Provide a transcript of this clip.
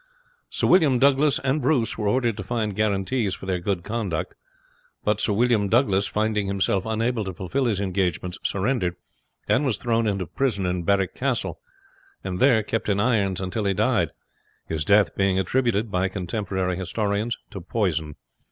Sir William Douglas and Bruce were ordered to find guarantees for their good conduct; but Sir William Douglas, finding himself unable to fulfil his engagements, surrendered, and was thrown into prison in Berwick Castle, and there kept in irons until he died, his death being attributed, by contemporary historians, to poison.